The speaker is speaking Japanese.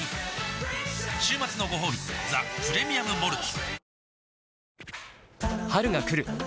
週末のごほうび「ザ・プレミアム・モルツ」おおーーッ